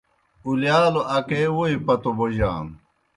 اُلِیالوْ اکے ووئی پتو بوجانو۔